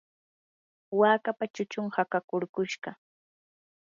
wakapa chuchun hakakurkushqa.